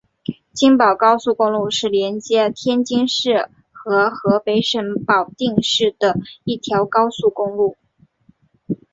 津保高速公路是连接天津市和河北省保定市的一条高速公路。